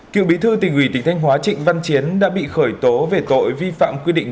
cựu bí thư tỉnh ủy tỉnh thanh hóa trịnh văn chiến đã bị khởi tố về tội vi phạm quy định